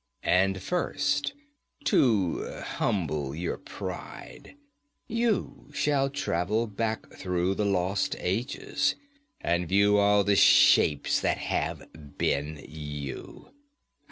And first, to humble your pride, you shall travel back through the lost ages, and view all the shapes that have been you.